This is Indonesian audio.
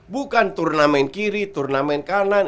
bukan turnamen kiri turnamen kanan